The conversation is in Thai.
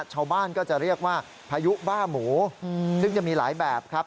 ชาวบ้านก็จะเรียกว่าพายุบ้าหมูซึ่งจะมีหลายแบบครับ